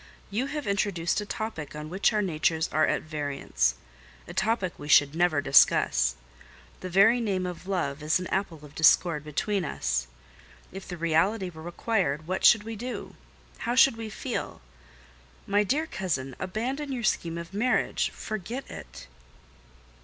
You have introduced a topic on which our natures are at variance—a topic we should never discuss: the very name of love is an apple of discord between us. If the reality were required, what should we do? How should we feel? My dear cousin, abandon your scheme of marriage—forget it."